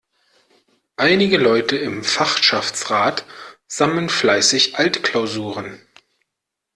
Einige Leute im Fachschaftsrat sammeln fleißig Altklausuren.